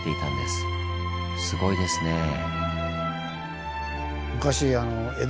すごいですねぇ。